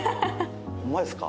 ホンマですか？